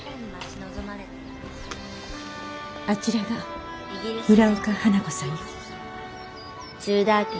あちらが村岡花子さんよ。